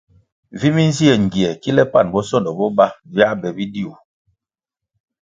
Vi minzie ngie kile pan bosondo bo ba viā be bidiu.